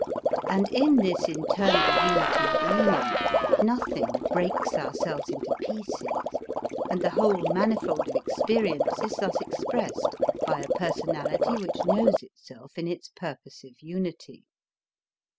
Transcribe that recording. And in this internal unity of meaning, nothing breaks ourselves into pieces, and the whole manifold of experience is thus expressed by a personality which knows itself in its purposive unity.